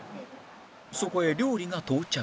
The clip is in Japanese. そこへ料理が到着